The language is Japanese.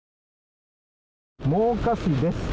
真岡市です。